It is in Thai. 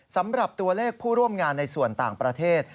สำหรับตัวเลขผู้ร่วมงานในส่วนต่างประเทศ